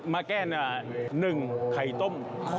มาแก้หนึ่งไข่ต้ม